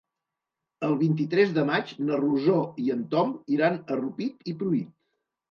El vint-i-tres de maig na Rosó i en Tom iran a Rupit i Pruit.